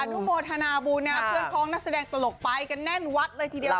อันทุโมทานาบุญนะครับเพื่อนของนักแสดงตลกไปกันแน่นวัดเลยทีเดียวค่ะ